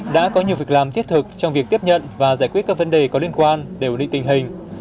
đã có nhiều việc làm thiết thực trong việc tiếp nhận và giải quyết các vấn đề có liên quan để ổn định tình hình